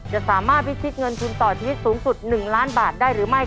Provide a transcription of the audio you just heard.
จะสามารถพิธีเงินทุนต่อทีสูงสุดหนึ่งล้านบาทได้หรือไม่